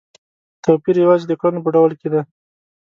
توپیر یوازې د کړنو په ډول کې دی.